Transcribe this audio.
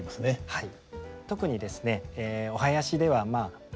はい。